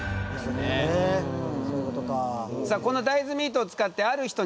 そういうことか。